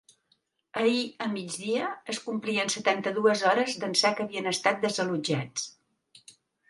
Ahir a migdia es complien setanta-dues hores d’ençà que havien estat desallotjats.